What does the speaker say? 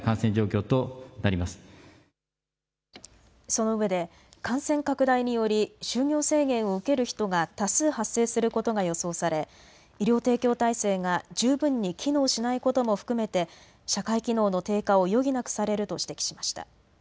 そのうえで感染拡大により就業制限を受ける人が多数発生することが予想され医療提供体制が十分に機能しないことも含めて社会機能の低下を余儀なくされると指摘しました。